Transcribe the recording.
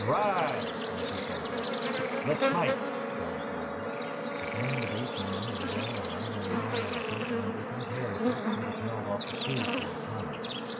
"Ride!" was his order. "Let's fight!" cried Neale. The band of eight men were well armed and well mounted, and if imperative, could have held off the Sioux for a time.